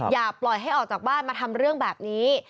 อย่าปล่อยให้ออกจากบ้านมาทำเรื่องแบบนี้